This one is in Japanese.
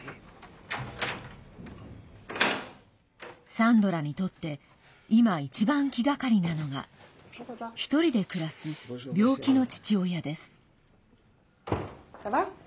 サンドラにとって今、一番気がかりなのが１人で暮らす病気の父親です。